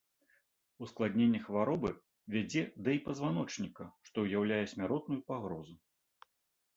Ускладненне хваробы вядзе да і пазваночніка, што ўяўляе смяротную пагрозу.